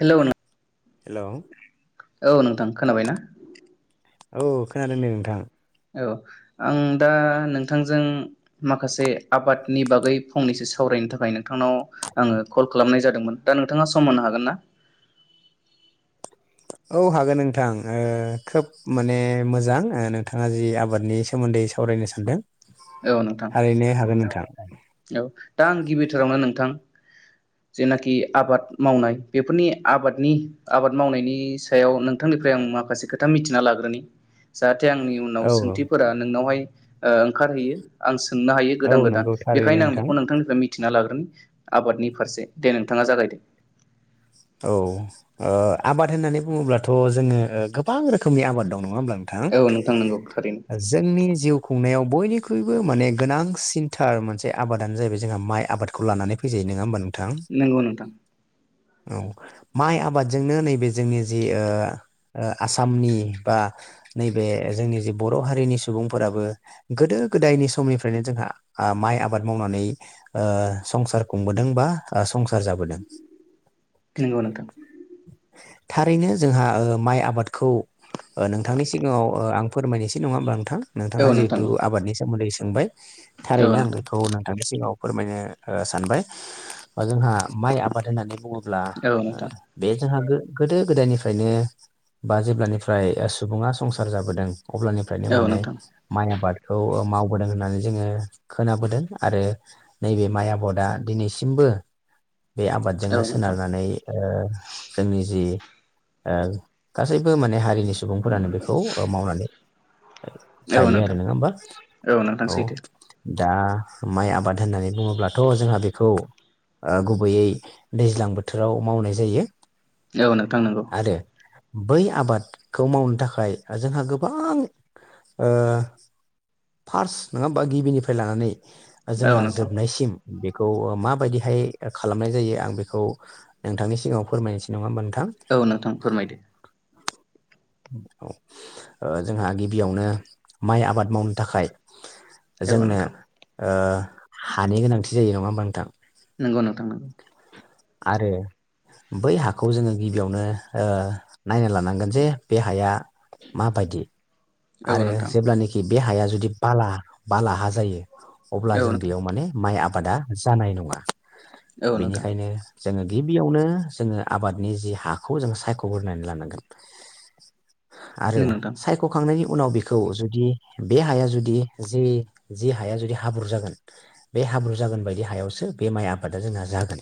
हेल' नो हेल' औ नोंथां खोनाबाय ना औ खोनादों दे नोंथां औ आं दा नोंथांजों माखासे आबादनि बागै फंनैसो सावरायनो थाखाय नोंथांनाव आङो कल खालामनाय जादोंमोन दा नोंथाङा सम होननो हागोन ना औ हागोन नोंथां खोब माने मोजां नोंथाङा जि आबादनि सोमोन्दै सावरायनो सानदों औ नोंथां थारैनो हागोन नोंथां औ दा आं गिबिथारावनो नोंथां जेनाखि आबाद मावनाय बेफोरनि आबादनि आबाद मावनायनि सायाव नोंथांनिफ्राय आं माखासे खोथा मिथिना लाग्रोनि जा जाहाथे आंनि उनाव औ सोंथिफोरा नोंनावहाय ओंखारहैयो आंसो सोंनो हायो औ गोदान गोदान नंगौ थारैनो बेखायनो आं नोंथां बेखौ नोंथांनिफ्राय मिथिदों मिथिना‌ लाग्रोनि आबादनि फारसे दे नोंथाङा जागायदों औ आबाद होननानै बुङोब्लाथ' जोङो गोबां रोखोमनि आबाद दं नङा होमब्ला औ नंगौ थारैनो नोंथां जोंनि जिउखौ खुंनायाव बयनिख्रुइबो माने गोनांसिनथार मोनसे आबादानो जाहैबाय जोंहा माइ आबादखौ लानानै फैजायो नङा होमबानो नंगौ नोंथां औ माइ आबादजोंनो नैबे जोंनि जि आसामनि बा नैबे जोंनि जि बर' हारिनि सुबुंफोराबो गोदो गोदायनि समनिफ्रायनो जोंहा माइ आबाद मावनानै संसार खुंबोदों बा संसार जाबोदों नोंगौ नोंथां थारैनो जोंहा माइ आबादखौ नोंथांनि सिगाङाव आं फोरमायनोसै नङा होनबा नोंथां औ नोंथाङा नोंथां जिहेथु आदनि सोमोन्दै सोंबाय औ थारैनो आं नोंथां बेखौ नोंथांनो औ फोरमायनो ओ सानबाय बा जोंहा माइ आबाद होननानै बुङो अब्ला औ नोंथां बे जोंहा गोदो गोदायनिफ्रायनो बा जेब्लानिफ्राय सुबुङा संसार जाबोदों अब्लानिफ्रायनो औ माने नोंथां माइ आबाद खौ मावबोदों होननानै जोङो खोनाबोदों आरो नैबे माइ आबादा दिनैसिमबो बे औ आबादजोंनो नोंथां सोनारनानै ओ जोंनि जि ओ गासैबो माने हारिनि सुबुंफोरानो बेखौ मावनानै औ जायो आरो नोंथां नोङा होमबा नोंथां औ सैथो दा माइ आबाद होननानै बुङोब्लाथ' जोंहा बेखौ ओ गुबैयै दैज्लां बोथोराव मावनाय जायो औ नोंथां नंगौ आरो बै आबादखौ मावनो थाखाय जोंहा गोबां ओ फार्स्ट नङा होमबा गिबिनिफ्राय लानानै औ जोंहा नोंथां जोबनायसिम बेखौ ओ माबायदिहाय खालामनाय जायो आं बे खौ नोंथांनि सिगाङाव फोरमायसै औ नोंथां फोरमायदो औ ओ जोंहा गिबियावनो माइ आबाद मावनो थाखाय औ जोंनो नोंथां ओ हानि गोनांथि जायो नङा होमबा नोंथां नोंगौ नोंथां नों आरो बै हाखौ जोङो गिबियावनो ओ नायना लानांगोन जे बे हाया माबायदि औ आरो नोंथां जेब्लानोखि बे हाया जुदि बाला बाला हा जायो अब्ला औ जों नोंथां बेयाव माने माइ आब बादा जानाय नङा औ नोंथां बेनिखायनो जोङो गिबियावनो जोङो आबादनि जि हाखौ जों सायख'ग्रोनानै लानांगोन आरो नोंथां सायख' नै उनाव बेखौ जुदि बे हाया जुदि जे जे हाया जुदि हाब्रु जागोन बे हाब्रु जागोन बायदि हायावसो बे माइ आबादा जोंहा जागोन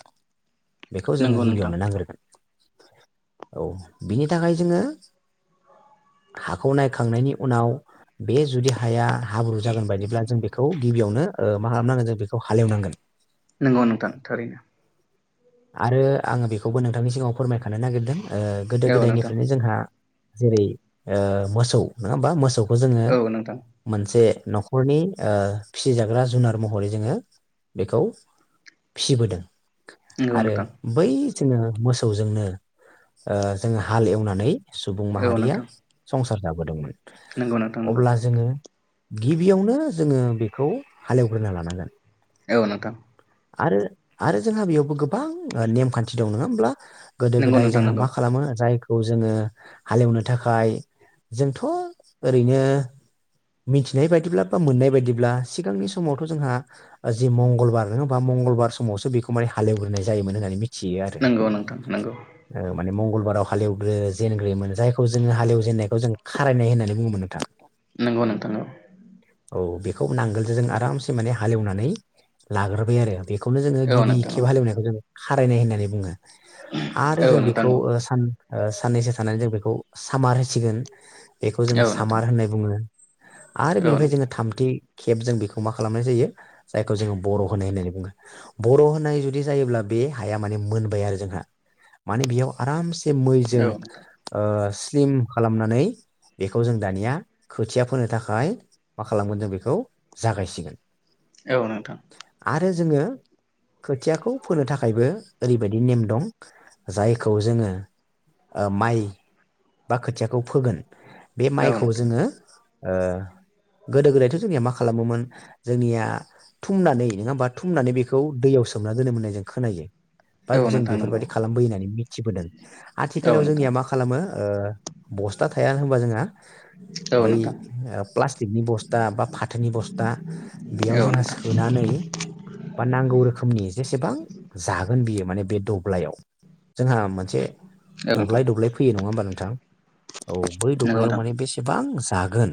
बेखौ जोङो नंगौ नोंथां गिबियावनो नांग्रोगोन औ बिनि थाखाय जोङो हाखौनाय खांनायनि उनाव बे जुदि हाया हाब्रु जागोन बायदिब्ला जों बेखौ गिबियावनो ओ मा खालामनांगोन जों बेखौ हालेवनांगोन। नंगौ नोंथां थारैनो आरो आङो बेखौबो नोंथांनि सिगाङाव फोरमायखा नो नागिरदों गोदो औ नोंथां गोदायनिफ्रायनो जोंहा जेरै ओ मोसौ ना होनबा मोसौ खौ जोङो औ नोंथां मोनसे न'खरनि ओ फिसिजाग्रा जुनार महरै जोङो बेखौ फिसिबोदों नंगौ आरो नोंथां बै जोङो मोसौजोंनो ओ जोङो हाल एवनानै सुबुं औ माहारिया नोंथां संसार बोदोंमोन नंगौ नोंथां नंगौ अब्ला जोङो गिबियावनो जोङो बेखौ हालेवग्रोना लानांगोन औ नोंथां आरो-आरो जोंहा बेयावबो गोबां नेमखान्थि दं नङा होमब्ला गोदो नंगौ गोदाय नोंथां जोंहा नंगौ मा खालामो जाय खौ जोङो हालेवनो थाखाय जोंथ' ओरैनो मिथिनाय बायदिब्ला बा मोननाय बायदिब्ला सिगांनि समावथ' जोंहा जि मंगलबार नङा होमबा मंगलबार समावसो बेखौ माने हालेवग्रोनाय जायोमोन होननानै मिथि नंगौ नोंथां नंगौ माने मंगलबाराव हालएवग्रो जेनग्रोयोमोन जायखौ जोङो हालेव जेननायखौ जों खारायनाय होननानै बुङोमोन नोंथां नंगौ नोंथां औ बेखौ नांगोलजों जों आरामसे माने हालेवनानै लाग्रोबाय आरो बे खौनो जोङो औ गिबि नोंथां खेब औ हालेवनायखौ जों खारायनाय होननानै बुङो आरो औ जों नोंथां बेखौ औ ओ सान-ओ साननैसो थानानै जों बे खौ सामार होसिगोन बेखौ औ जों नोंथां सामार होननाय बुङो। आरो औ बेनिफ्राय नोंथां जोङो थामथि खेब जों बेखौ मा खालामनाय जायो जायखौ जोङो बर' होनाय होननानै बुङो बर' होनाय जुदि जायोब्ला बे हाया माने मोनबाय आरो जोंहा माने बेयाव आरामस से औ मैजों नोंथां ओ स्लिम खालामनानै बेखौ जों दानिया खोथिया फोनो थाखाय मा खालामगोन जों बेखौ जागायसिगोन। औ नोंथां। आरो जोङो खोथियाखौ फोनो थाखायबो ओरैबायदि नेम दं जायखौ जोङो ओ माइ बा खोथियाखौ फोगोन बे औ माइखौ नोंथां जोङो ओ गोदो गोदायथ' जोंनिया मा खालामोमोन जोंनिया थुमनानै नङा होमबा थुमनानै बेखौ दैयाव सोमना दोनोमोन होनाय जों खोनायो। बा औ जों नोंथां नंगौ बेफोरबायदि खालामबोयो होननानै [unintelligible] मिथिबोदों। औ आथिखालाव नोंथां जोंनिया मा खालामो बस्था थाया होनबा जोंहा औ बै नोंथां ओ प्लास्टिकनि बस्था बा फाथोनि बस्था बेयाव औ जोंहा नोंथां सोनानै बा नांगौ रोखोमनि जेसेबां जागोन बियो माने बे दब्लायाव जोंहा मोनसे औ नोंथां दब्लाय दब्लाय फैयो नङा होमबा? नोंथां औ बै नंगौ दब्लायाव नोंथां माने बेसेबां जागोन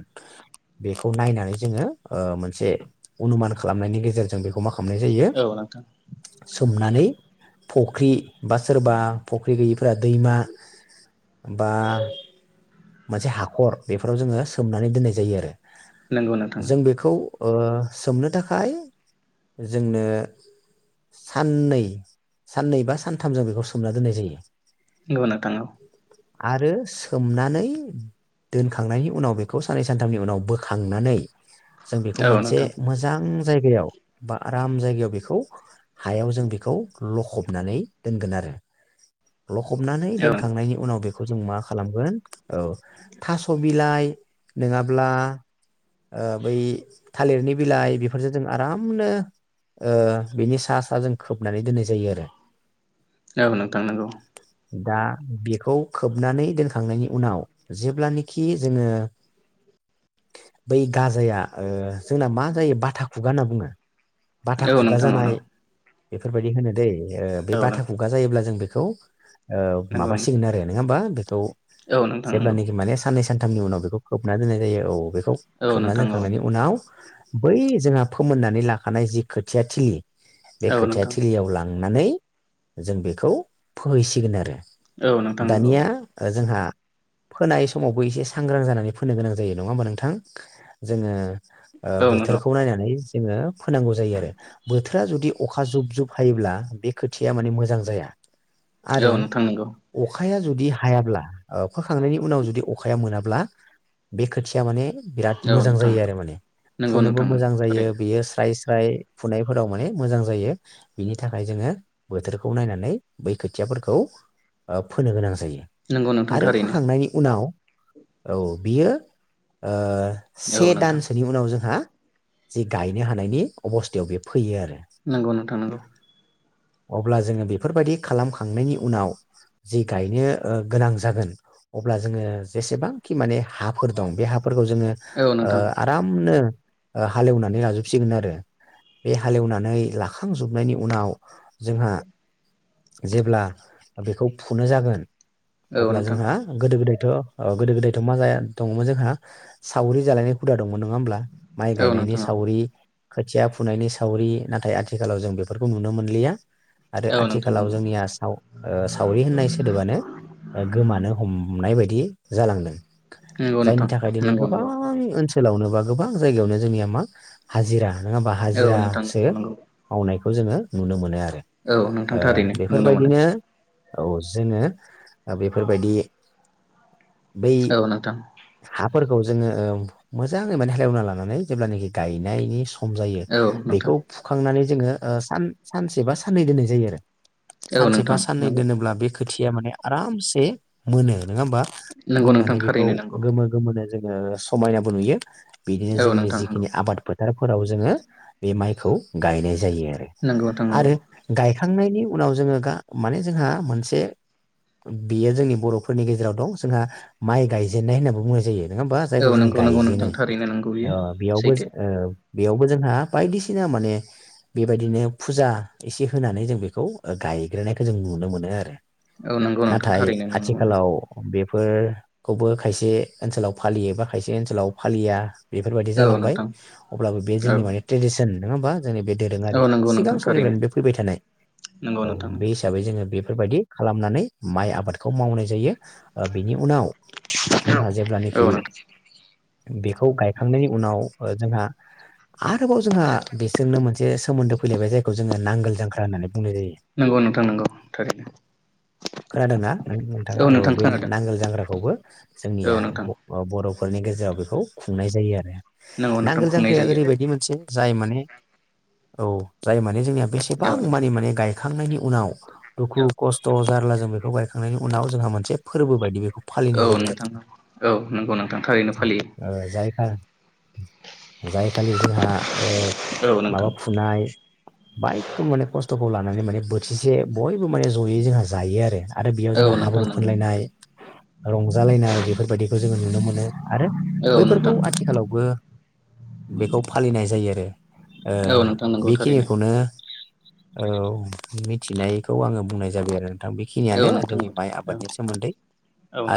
बेखौ नायनानै जोङो ओ मोनसे अनुमान खालामनायनि गेजेरजों बेखौ मा खमनाय जायो औ नोंथां सोमनानै फख्रि बा सोरबा फख्रि गैयिफोरा दैमा बा मोनसे हाखर बेफोराव जोङो सोमनानै दोननाय जायो आरो जों नंगौ बेखौ ओ सोमनो थाखाय जोंनो साननै साननै बा सानथाम जों बेखौ सोमना दोननाय जायो। [unintelligible] नोंथां औ आरो सोमनानै दोनखांनायनि उनाव बेखौ साननै सानथामनि उनाव बोखांनानै जों बेखौ औ मोनसे नोंथां मोजां जागायाव बा आराम जायगायाव बेखौ हायाव जों बेखौ लखबनानै दोनगोन आरो लखबनानै औ दोनखांनायनि उनाव बे बेखौ जों मा खालामगोन औ थास' बिलाइ नोङाब्ला ओ बै थालिरनि बिलाइ बेफोरजों जों आरामनो ओ बिनि सा सा जों खोबनानै दोननाय जायो आरो औ नोंथां नंगौ दा बेखौ खोबनानै दोनखांनायनि उनाव जेब्लानेखि जोङो बै गाजाया जोंना मा जायो बाथा खुगा होनना बुङो। बाथा औ खुगा नोंथां औ जानाय नों बेफोरबायदि होनो दै इयो बे औ नों बाथा खुगा जायोब्ला जों बेख खौ ओ नंगौ नोंथां माबासिगोन आरो नोङा होमबा बेख खौ औ नोंथां नंगौ जेब्लानोखि माने साननैसो सानथामनि उनाव बेखौ खोबना दोननाय जायो औ बेख खौ औ खोबना नोंथां दोखांनायनि औ उनाव बै जोंहा फोमोननानै लाखानाय जि खोथिया थिलि बे औ खोथाया नोंथां थिलियाव लां नानै जों बेखौ फोहैसिगोन आरो औ नोंथां नंगौ दानिया ओ जोंहा [unintelligible] फोनाय समावबो एसे सांग्रां जानानै फोनो गोनां जायो नङा होमबा नोंथां जोङो ओ‌ औ नोंथां बोथोरखौ नायनानै [unintelligible] फोनांगौ जायो आरो बोथोरा जुदि अखा जुब जुब हायोब्ला बे खोथिया माने मोजां जाया औ नोंथां नंगौ खाया जुदि हायाब्ला औ फोखांनायनि उनाव जुदि अखाया मोनाब्ला बे खोथिया माने बिराद औ मोजां नोंथां जायो आरो माने नंगौ फुनोबो नोंथां नंगौ मोजां जायो थारैनो बेयो स्राइज फ्राय फुनायफोराव माने मोजां जायो बिनि थाखाय जोङो बोथोरखौ नायनानै बै खोथियाफोरखौ ओ फोनो गोनां जायो नंगौ नोंथां आरो थारैनो फोखांनायनि उनाव औ बियो ओ औ से नोंथां दानसोनि उनाव जोंहा जि गायनो हानायनि अबस्थायाव बे फै नंगौ नोंथां नंगौ अब्ला जोङो बेफोरबायदि खालामखांनायनि उनाव जि गायनो ओ गोनां जागोन अब्ला जोङो जेसेबांखि माने हाफोर दं बे हाफोरखौ जोङो औ ओ नोंथां आरामनो ओ हालेवनानै लाजोबसिगोन आरो बे हालेवनानै लाखांजुबनायनि उनाव जोंहा जेब्ला बेखौ फुनो जागोन औ अब्ला नोंथां जोंहा गोदो गोदाय थ' ओ गोदो- गोदायथ' मालाया दङ'मोन जोंहा सावरि जालानाय हुदा दंमोन नङा होमब्ला माइ औ गायनायनि नोंथां सावरि खोथिया फुनायनि सावरि नाथाय आथिखालाव जों बेफोरखौ नुनो मोन लिया आरो औ नोंथां आथिखालाव नंगौ जोंनिया साव ओ सावरि होननाय सोदोबानो गोमानो हमनाय बायदि जालांदों नंगौ जायनि नोंथां थाखाय दिनै नंगौ गोबां नंगौ ओनसोल ओनसोलावनो बा गोबां जायगायावनो जोंनिया मा हाजिरा नङा होमबा औ नोंथां हाजिरासो नंगौ नंगौ मावनायखौ नोंथां खौ जोङो नुनो मोनो आरो औ नोंथां ओ थारैनो नुनो मोनो बेफोरबायदिनो औ जोङो ओ बेफोरबायदि औ नोंथां फोर जोङो मोजाङै माने हालेवना लानानै जेब्ला गायनायनि स जायो औ नोंथां बेखौ फुखांनानै जोङो सान सानसे बा साननै दोननाय जायो आरो औ सानसे बा नोंथां साननै नंगौ दोनोब्ला बे खोथिया माने आरामसे मोनो नङा होमबा नंगौ नोंथां मोननानै बेखौ थारैनो नंगौ गोमो गोमो जोङो समायनाबो नुयो बिदिनो औ जोंनि नोंथां नंगौ जिखिनि आबादफोर फोथारफोराव जोङो बे माइखौ गायनाय जायो आरो नोंगौ नोंथां नंगौ खांनायनि उनाव जोङो गा माने जोंहा मोनसे बियो जोंनि बर'फोरनि गेजेराव दं जोंहा माइ गायजेननाय होननाबो बुंनाय जायो नङा होमबा जायखौ औ जोङो नंगौ नंगौ नोंथां गायजेनो थारैनो नंगौ बियो बेयावबो सैथो बेयावबो जोंहा बायदिसिना माने बेबायदिनो फुजा एसे होनानै जों बेखौ गायग्रोनायखौ जों नुनो मोनो आरो औ नंगौ नोंथां नाथाय थारैनो नुनो मोनो आथिखालाव बे फोरखौबो खायसे ओनसोलाव फालियो बा खायसे ओनसोलाव फालिया बेफोरबायदि औ जालांबाय नोंथां अब्लाबो बे औ जोंनि माने ट्रेडिसन नाङा होमबा जोंनि बे दोरोङारि औ नंगौ सिगां नोंथां थारैनो समनिफ्रायनो बे फैबाय थानाय नंगौ औ नोंथां बे हिसाबै जोङो बे बेफोरबायदि खालामनानै माइ आबादखौ मावनाय जायो बिनि उनाव जोंहा औ जेब्लानाखि नोंथां बेखौ गायखांनायनि उनाव जोंहा आरोबाव जोंहा बिसोरनो मोनसे सोमोन्दो जोङो नांगोल जांख्रा होननानै बुंनाय जायो नंगौ नोंथां नंगौ थारैनो खोनादोंना नोंथाङा औ नोंथां बे खोनादों नांगोल जांग्राखौबो जोंनिया औ नोंथां बर' न'खफोरनि गेजेराव बेखौ खुंनाय जायो आरो नंगौ नोंथां नांगोल खुंनाय जांख्राया जायो ओरैबायदि मोनसे जाय माने औ जाय माने जोंनिया बेसेबां औ नोंथां मानि माने गायखांनायनि उनाव दुखु खस्थ' जारला जों बेखौ बायखांनायनि उनाव जोंहा मोनसे फोरबो बायदि बेखौ फालिनाय औ जायो नोंथां औ जाय खालि जोंहा औ माबा नोंथां फुनाय बाइकखौ माने खस्थ'खौ लानानै माने ब से ज'यै जोंहा जायो आरो आरो बेयाव औ जोङो नोंथां हाब्रु नंगौ फुनलायनाय रंज औ नोंथां दे अ औ नोंथां नंगौ थारैनो बेखिनिखौनो औ औ बेखिनियानो नोंथां जोंनि औ माइ औ आबादनि सोमोन्दै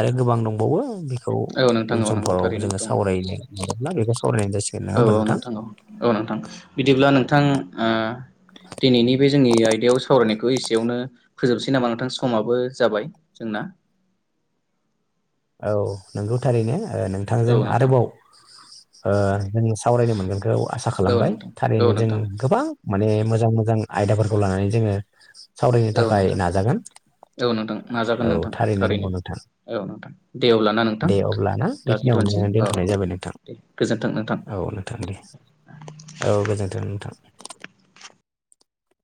आरो गोबां दंबावो बेखौ औ नोंथां उन औ नंगौ समफोराव थारैनो जोङो दङ सावरायनो मोनोब्ला बेखौ सावरायनाय जासिगोन नङा औ होमबा औ नोंथां औ नोंथां बिदिब्ला नोंथां दिनैनि बे जोंनि आयदायाव सावरायनायखौ एसेयावनो फोजोबसै नामा नोंथां समाबो जाबाय जोंना [inaudible] औ औ नोंथांजों नोंथां अ जों सावरायनो मोनगोनखौ आसा औ नोंथां औ नोंथां माने मोजां मोजां आयदाफोर औ नोंथां औ नोंथां नाजागोन औ नोंथां नंगौ थारैनो नोंथां औ नोंथां दे अब्लाना नोंथां दे अब्ला ना लाखिथ'नोसै बेखिनियावनो औ दोनथ'नाय दे गोजोन्थों नोंथां। जाबाय नोंथां